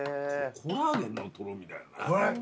コラーゲンのとろみだよね。